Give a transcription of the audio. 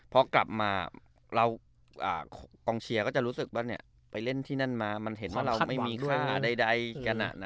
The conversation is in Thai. พอกลับมากองเชียร์ก็จะรู้สึกว่าไปเล่นที่นั่นมามันเห็นว่าเราไม่มีค่าใดกัน